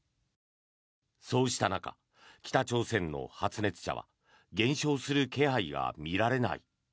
そうした中、北朝鮮の発熱者は減少する気配が見られない。